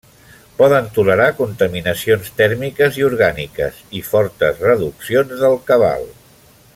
Poden tolerar contaminacions tèrmiques i orgàniques, i fortes reduccions del cabal.